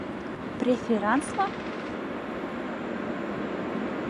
— Преферансла?